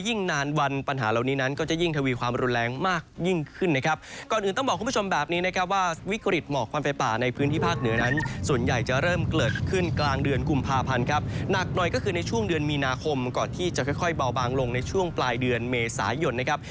ที่จะค่อยเบาบางลงในช่วงปลายเดือนเมษายนนะครับ